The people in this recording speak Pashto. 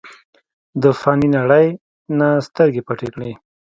د فانې نړۍ نه سترګې پټې کړې ۔